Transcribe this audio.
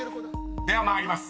［では参ります。